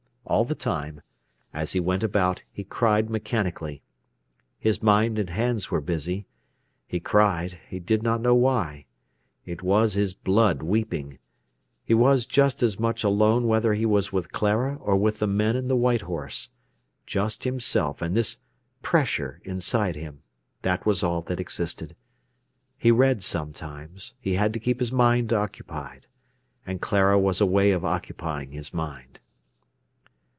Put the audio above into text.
All the time, as he went about, he cried mechanically. His mind and hands were busy. He cried, he did not know why. It was his blood weeping. He was just as much alone whether he was with Clara or with the men in the White Horse. Just himself and this pressure inside him, that was all that existed. He read sometimes. He had to keep his mind occupied. And Clara was a way of occupying his mind.